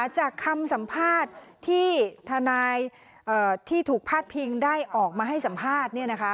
จากคำสัมภาษณ์ที่ทนายที่ถูกพาดพิงได้ออกมาให้สัมภาษณ์เนี่ยนะคะ